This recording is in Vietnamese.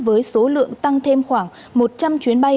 với số lượng tăng thêm khoảng một trăm linh chuyến bay